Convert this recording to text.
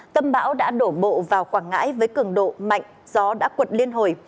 tâm bão đã đổ bộ vào quảng ngãi với cường độ mạnh gió đã cuột liên hồi